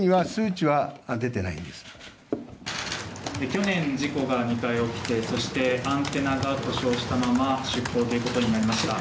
去年、事故が２回起きてそしてアンテナが故障したまま出航となりました。